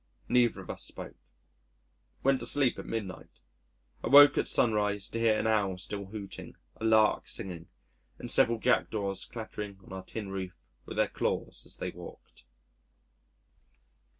Neither of us spoke.... Went to sleep at midnight. Awoke at sunrise to hear an Owl still hooting, a Lark singing, and several Jackdaws clattering on our tin roof with their claws as they walked.